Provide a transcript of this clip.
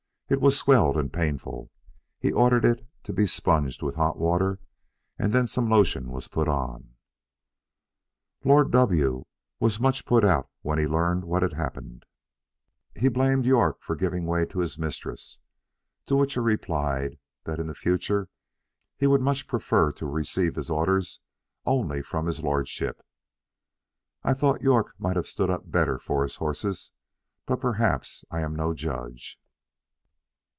It was swelled and painful; he ordered it to be sponged with hot water, and then some lotion was put on. Lord W was much put out when he learned what had happened; he blamed York for giving way to his mistress, to which he replied that in future he would much prefer to receive his orders only from his lordship. I thought York might have stood up better for his horses, but perhaps I am no judge.